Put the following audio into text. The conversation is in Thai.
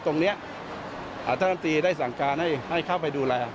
ตรงนี้อาทิตย์ได้สั่งการให้เข้าไปดูแล